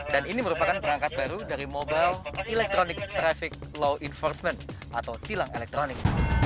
dan ini merupakan perangkat baru dari mobile electronic traffic law enforcement atau tilang elektronik